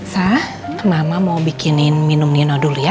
sah mama mau bikinin minum nino dulu ya